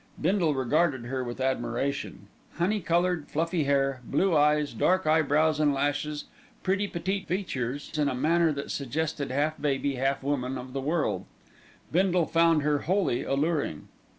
Bindle regarded her with admiration. Honey coloured, fluffy hair, blue eyes, dark eyebrows and lashes, pretty, petite features, and a manner that suggested half baby, half woman of the world, Bindle found her wholly alluring.